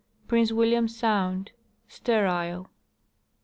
Prince William sound. Sterile.